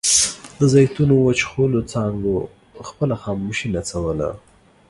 د زیتونو وچخولو څانګو خپله خاموشي نڅوله.